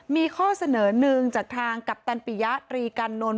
มีข้อเสนอหนึ่งจากทางกัปตันปิยะตรีกันนล